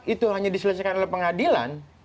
itu hanya diselesaikan oleh pengadilan